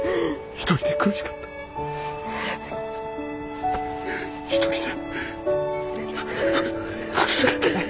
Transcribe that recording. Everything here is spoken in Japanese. １人で苦しかったね。